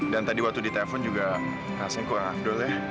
dan tadi waktu ditelepon juga rasanya kurang afdol ya